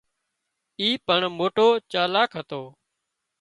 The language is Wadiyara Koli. اي پڻ موٽو چالاڪ هتو